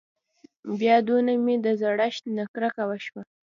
بيا دونه مې د زړښت نه کرکه وشوه.